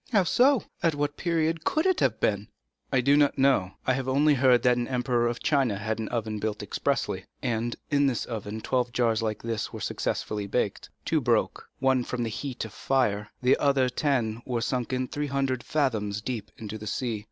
"How so?—at what period can that have been?" "I do not know; I have only heard that an emperor of China had an oven built expressly, and that in this oven twelve jars like this were successively baked. Two broke, from the heat of the fire; the other ten were sunk three hundred fathoms deep into the sea.